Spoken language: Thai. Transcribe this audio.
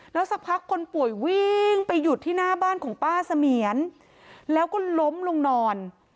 แล้วสักพักคนป่วยวิ่งไปหยุดที่หน้าบ้านของป้าเสมียนแล้วก็ล้มลงนอน